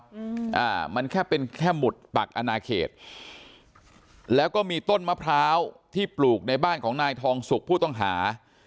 อืมอ่ามันแค่เป็นแค่หมุดปักอนาเขตแล้วก็มีต้นมะพร้าวที่ปลูกในบ้านของนายทองสุกผู้ต้องหา